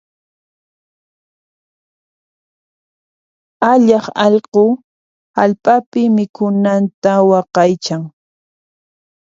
Allaq allqu hallp'api mikhunanta waqaychan.